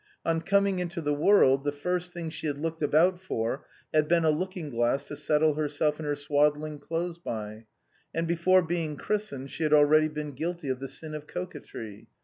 On coming into the world, the first thing she had looked about for had been a looking glass to settle herself in her swaddling clothes by, and before being chris tened she had already been guilty of the sin of coquetry.